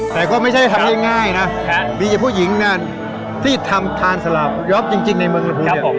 แต่ก็ไม่ใช่ทำยังง่ายนะค่ะมีผู้หญิงน่ะที่ทำทานสลากย้อมจริงจริงในเมืองลำภูนย์เนี่ย